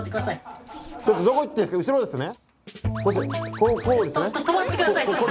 こうこうですね？